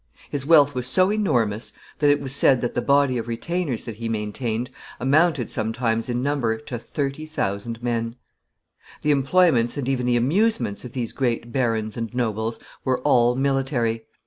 His wealth was so enormous that it was said that the body of retainers that he maintained amounted sometimes in number to thirty thousand men. [Sidenote: Amusements of the nobility.] The employments, and even the amusements of these great barons and nobles, were all military.